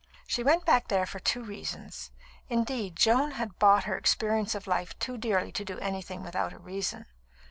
She went back there for two reasons; indeed, Joan had bought her experience of life too dearly to do anything without a reason.